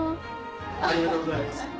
ありがとうございます。